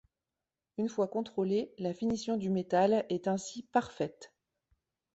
Une fois contrôlée, la finition du métal est ainsi parfaite.